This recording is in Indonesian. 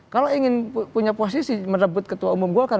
kalau ingin punya posisi merebut ketua umum golkar